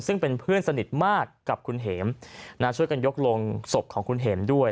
ซึ่งเป็นเพื่อนสนิทมากกับคุณเห็มช่วยกันยกลงศพของคุณเห็มด้วย